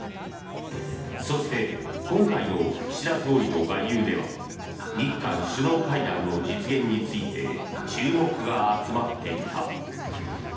そして今回の岸田総理の外遊では日韓首脳会談の実現について注目が集まっていた。